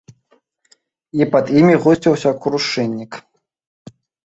І пад імі гусціўся крушыннік.